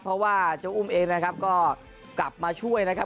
เพราะว่าเจ้าอุ้มเองนะครับก็กลับมาช่วยนะครับ